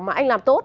mà anh làm tốt